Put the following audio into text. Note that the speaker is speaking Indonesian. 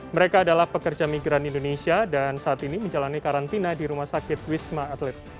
mereka adalah pekerja migran indonesia dan saat ini menjalani karantina di rumah sakit wisma atlet